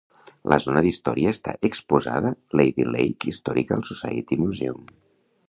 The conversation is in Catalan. La zona d'història està exposada Lady Lake Historical Society Museum.